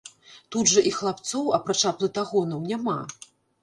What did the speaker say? Тут жа і хлапцоў, апрача плытагонаў, няма.